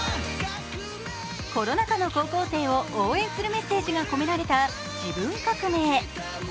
コロナ禍の高校生を応援するメッセージが込められた「自分革命」。